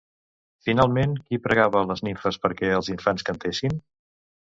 Finalment, qui pregava a les nimfes perquè els infants cantessin?